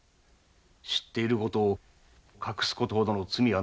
知っていることを隠すことほどの罪はないのだ。